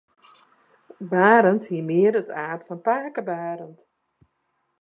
Barend hie mear it aard fan pake Barend.